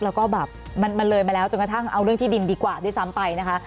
แล้วก็แบบมันเลยมาแล้วจนกระทั่งเอาเรื่องที่ดินดีกว่าด้วยซ้ำไปนะคะ